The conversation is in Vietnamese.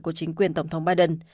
của chính quyền tổng thống biden